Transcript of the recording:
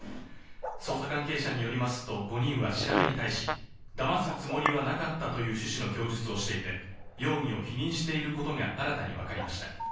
捜査関係者によりますと５人は調べに対し、だますつもりはなかったという趣旨の供述をしていて容疑を否認していることが新たに分かりました。